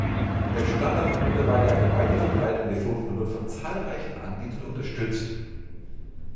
Der Standard hat mittlerweile eine weite Verbreitung gefunden und wird von zahlreichen Anbietern unterstützt.